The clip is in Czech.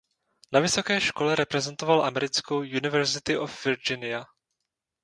Na vysoké škole reprezentoval americkou University of Virginia.